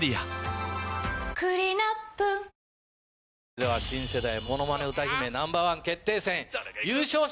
では新世代ものまね歌姫Ｎｏ．１決定戦。